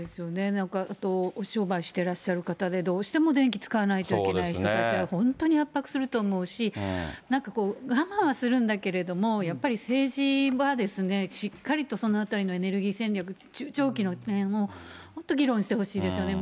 なんかあと、お商売してらっしゃる方で、どうしても電気使わないといけない人たちは本当に圧迫すると思うし、なんかこう、我慢はするんだけど、やっぱり政治はしっかりとそのあたりのエネルギー戦略、中長期のことを、本当議論してほしいですよね。